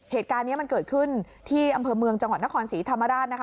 เหตุการณ์นี้มันเกิดขึ้นที่อำเภอเมืองจังหวัดนครศรีธรรมราชนะคะ